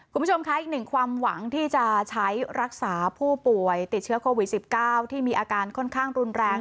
คุณผู้ชมคะอีกหนึ่งความหวังที่จะใช้รักษาผู้ป่วยติดเชื้อโควิด๑๙ที่มีอาการค่อนข้างรุนแรง